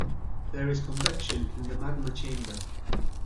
There is convection in the magma chamber.